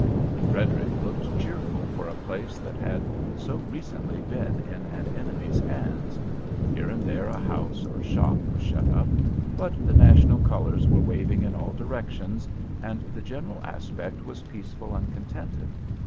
Frederick looked cheerful for a place that had so recently been in an enemy's hands. Here and there a house or shop was shut up, but the national colors were waving in all directions, and the general aspect was peaceful and contented.